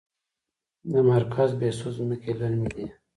د مرکز بهسود ځمکې للمي دي